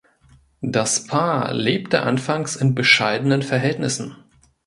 Das Paar lebte anfangs in bescheidenen Verhältnissen.